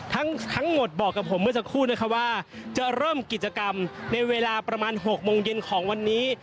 ทั้งหมดบอกกับผมเมื่อสักครู่นะคะว่าจะเริ่มกิจกรรมในเวลาประมาณ๖โมงเย็นของวันนี้